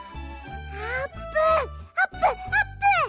あーぷんあぷんあぷん！